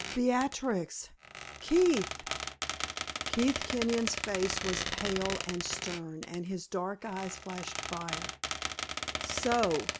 "Beatrix!" "Keith!" Keith Kenyon's face was pale and stern, and his dark eyes flashed fire. "So!"